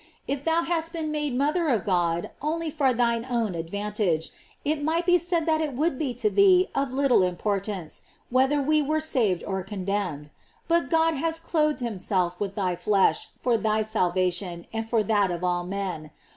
If thou hadst been made mother of God only for thine own advantage, it might be said that it would be to thee of little importance whether we were saved or condemned; but God has clothed him self with thy flesh for thy salvation and for that of all men.